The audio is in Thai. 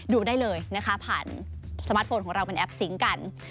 ดูได้เลยนะคะผ่านสมาร์ทโฟนของเราเป็นแอปซิงค์กัน